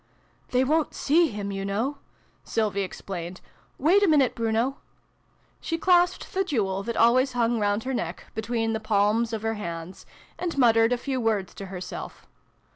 " They wo'n't see him, you know," Sylvie explained. " Wait a minute, Bruno !" She clasped the jewel, that always hung round her neck, between the palms of her hands, and muttered a few words to herself.